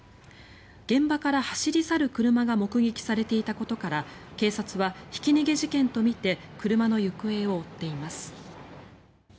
現場から走り去る車が目撃されていたことから警察はひき逃げ事件とみて車の行方を追っています。